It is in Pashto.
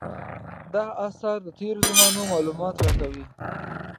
دغه اثار د تېرو زمانو معلومات راکوي.